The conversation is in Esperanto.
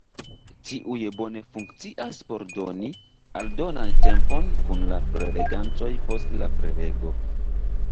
Tiuj bone funkcias por doni aldonan tempon kun la prelegantoj post la prelego.